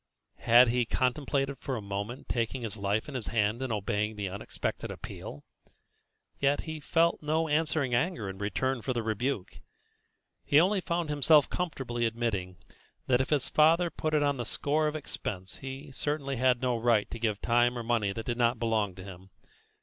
Had he contemplated for a moment taking his life in his hand and obeying the unexpected appeal? Yet he felt no answering anger in return for the rebuke; he only found himself comfortably admitting that if his father put it on the score of expense he certainly had no right to give time or money that did not belong to him.